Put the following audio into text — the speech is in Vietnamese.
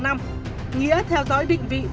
nghĩa theo dõi định vị